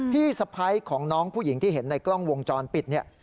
พี่สะพ้ายของน้องผู้หญิงที่เห็นในกล้องวงจรปิดเนี่ย